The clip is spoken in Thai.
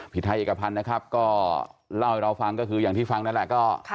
ไทยเอกพันธ์นะครับก็เล่าให้เราฟังก็คืออย่างที่ฟังนั่นแหละก็